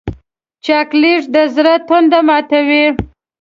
چاکلېټ د زړه تنده ماتوي.